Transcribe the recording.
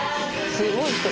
「すごい人」